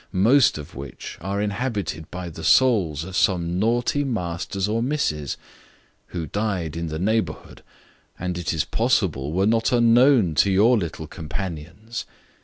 most of which are inhabited by the souls of some naughty masters or misses, who died in the neighbourhood, and it is possible were not unknown to your little companions.